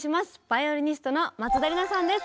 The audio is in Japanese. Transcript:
バイオリニストの松田理奈さんです。